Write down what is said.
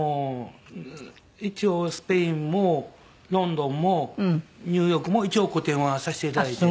一応スペインもロンドンもニューヨークも一応個展はさせて頂いて。